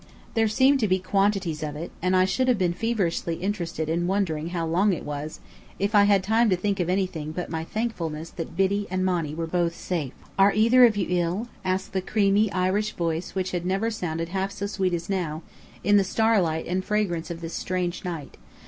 There seemed to be quantities of it, and I should have been feverishly interested in wondering how long it was, if I had had time to think of anything but my thankfulness that Biddy and Monny were both safe. "Are either of you ill?" asked the creamy Irish voice which had never sounded half so sweet as now, in the starlight and fragrance of this strange night.